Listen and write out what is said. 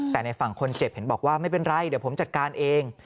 แต่ในฝั่งคนเจ็บเห็นบอกว่าไม่เป็นไรเดี๋ยวผมจัดการเอง